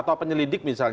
atau penyelidik misalnya